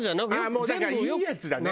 ああもうだからいいやつだね。